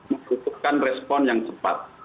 membutuhkan respon yang cepat